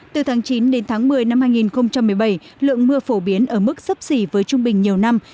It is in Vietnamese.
từ tháng chín đến tháng một mươi năm hai nghìn một mươi bảy lượng mưa phổ biến ở mức sấp xỉ với trung bình nhiều năm